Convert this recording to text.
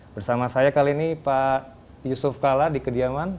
bersama saya kali ini pak yusuf kala di kediaman